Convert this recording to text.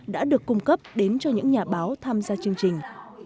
đã được cung cấp đến cho những nhà báo tham gia chương trình